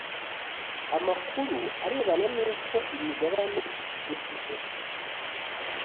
amakuru arebana n’uko imigabane ishyizwe ku isoko